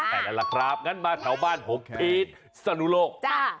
แต่แล้วล่ะครับงั้นมาแถวบ้านผมพีชสนุโลก